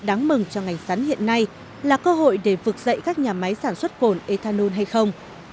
đáng mừng cho ngành sắn hiện nay là cơ hội để vực dậy các nhà máy sản xuất cồn ethanol hay không